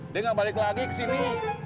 dia nggak balik lagi ke sini